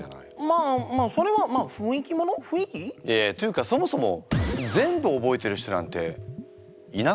まあまあそれはまあいやいやっていうかそもそも全部覚えてる人なんていなくないですか？